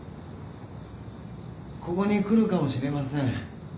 ・ここに来るかもしれません。